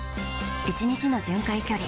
１日の巡回距離